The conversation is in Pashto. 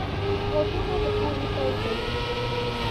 غوږونه د پوهې پیل کوي